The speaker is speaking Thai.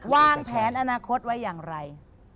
วางแผนอนาคตไว้อย่างไร